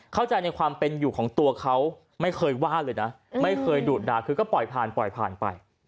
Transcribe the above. เข้าใจในความเป็นอยู่ของตัวเขาไม่เคยว่าเลยนะไม่เคยดุด่าคือก็ปล่อยผ่านปล่อยผ่านไป